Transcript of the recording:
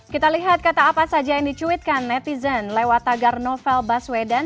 kita lihat kata apa saja yang dicuitkan netizen lewat tagar novel baswedan